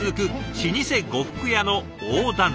老舗呉服屋の大旦那。